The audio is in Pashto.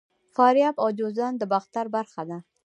فاریاب او جوزجان د باختر برخه وو